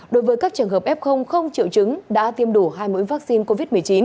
đối với các trường hợp f không triệu chứng đã tiêm đủ hai mũi vaccine covid một mươi chín